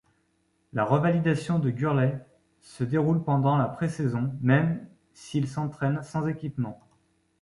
La revalidation de Gurley se déroule pendant la pré-saison même s'il s'entraîne sans équipement.